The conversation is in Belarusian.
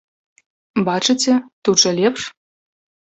Бачыце, тут жа лепш?